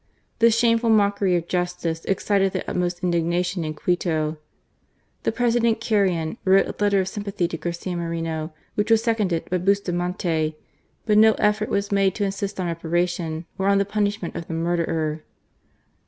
This shame fol mockery of justice excited the utmost ind^ati(»i in Quito. The President Carrion wrote a letter of sjrmpathy to Garcia Moreno, which was seconded by BustWante ; but no effort was made to insist on r^aration or on the punishment of the murderer.